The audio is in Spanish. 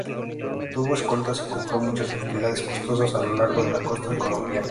Tuvo escoltas y compró muchas propiedades costosas a lo largo de la costa colombiana.